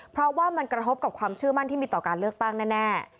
เพราะว่ามันกระทบกับความเชื่อมั่นที่มีต่อการเลือกตั้งแน่